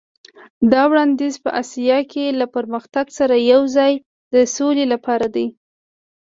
دا وړاندیز په اسیا کې له پرمختګ سره یو ځای د سولې لپاره دی.